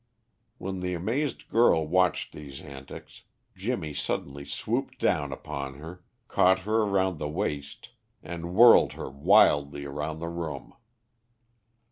While the amazed girl watched these antics, Jimmy suddenly swooped down upon her, caught her around the waist, and whirled her wildly around the room.